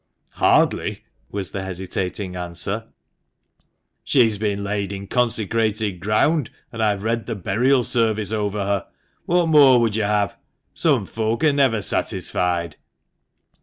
"Hardly," was the hesitating answer. " She's been laid in consecrated ground, and I've read the burial service over her ; what more would you have ? Some folk are never satisfied."